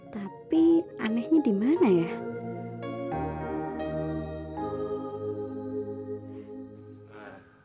tapi anehnya di mana ya